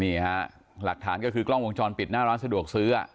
นี่ฮะหลักฐานก็คือกล้องวงจรปิดหน้าร้านสะดวกซื้อ